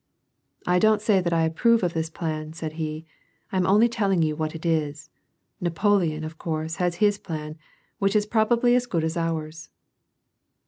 " I don't say that I approve of this plan," said he, " I am only telling you what it is. Napoleon, of course, has his plan, which is probably as good as ours."